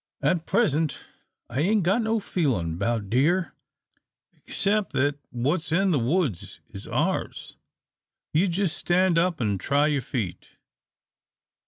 "At present I ain't got no feelin' about deer excep' that what's in the woods is ours. You jus' stand up an' try your feet.